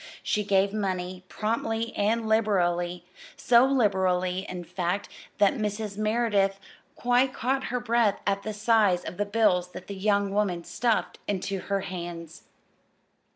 She gave money, promptly and liberally so liberally, in fact, that Mrs. Merideth quite caught her breath at the size of the bills that the young woman stuffed into her hands.